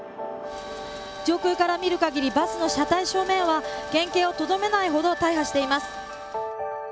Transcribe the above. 上空から見るかぎり、バスの車体正面は原型をとどめないほど大破しています。